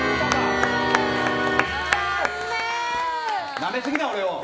なめすぎだ、俺を！